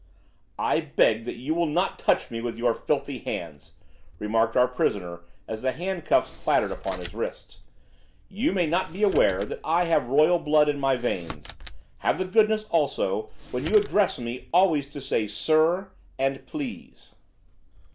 "I beg that you will not touch me with your filthy hands," remarked our prisoner as the handcuffs clattered upon his wrists. "You may not be aware that I have royal blood in my veins. Have the goodness, also, when you address me always to say 'sir' and 'please.